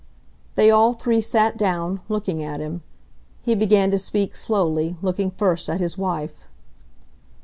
They all three sat down, looking at him. He began to speak slowly, looking first at his wife.